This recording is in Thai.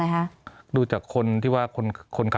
มีความรู้สึกว่ามีความรู้สึกว่า